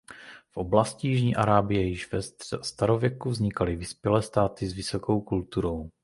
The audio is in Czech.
V oblasti jižní Arábie již ve starověku vznikaly vyspělé státy s vysokou kulturou.